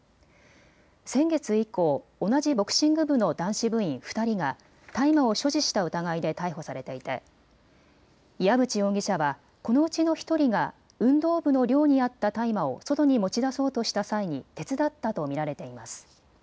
先月以降、同じボクシング部の男子部員２人が大麻を所持した疑いで逮捕されていて岩渕容疑者はこのうちの１人が運動部の寮にあった大麻を外に持ち出そうとした際に手伝ったと見られています。